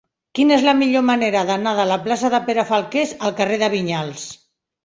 Quina és la millor manera d'anar de la plaça de Pere Falqués al carrer de Vinyals?